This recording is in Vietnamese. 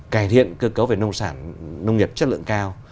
cải thiện cơ cấu về nông sản nông nghiệp chất lượng cao